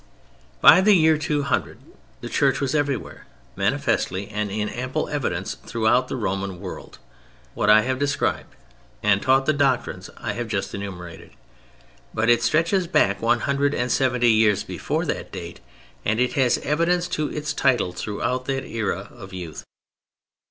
By the year 200 the Church was—everywhere, manifestly and in ample evidence throughout the Roman world—what I have described, and taught the doctrines I have just enumerated: but it stretches back one hundred and seventy years before that date and it has evidence to its title throughout that era of youth.